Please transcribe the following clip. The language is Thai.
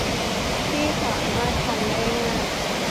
ที่สามารถทำได้ง่าย